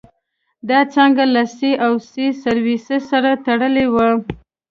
دا څانګه له سي او سي سرویسس سره تړلې وه.